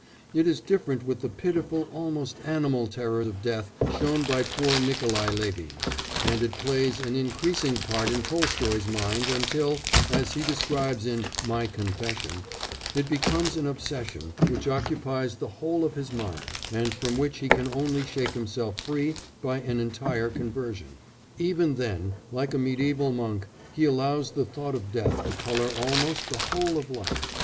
It is different with the pitiful, almost animal terror of death shown by poor Nikolai Levin, and it plays an increasing part in Tolstoy's mind until, as he describes in My Confession, it becomes an obsession which occupies the whole of his mind, and from which he can only shake himself free by an entire conversion. Even then, like a mediæval monk, he allows the thought of death to colour almost the whole of life.